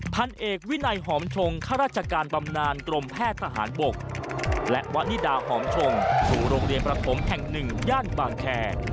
พันเอกวินัยหอมชงข้าราชการบำนานกรมแพทย์ทหารบกและวะนิดาหอมชงสู่โรงเรียนประถมแห่งหนึ่งย่านบางแคร์